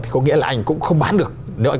thì có nghĩa là anh cũng không bán được